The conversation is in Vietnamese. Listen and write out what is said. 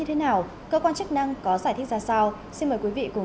ví dụ như khi bạn nh animation trên startup chuẩn bị không không